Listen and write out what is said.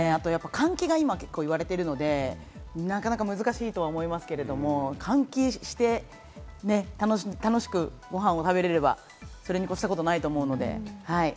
換気が今言われているので、なかなか難しいと思いますけど、換気して楽しくごはんを食べれれば、それに越したことはないと思うので。